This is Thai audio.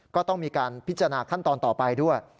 ก็ต้องมีการพิจารณาขั้นตอนต่อไปด้วย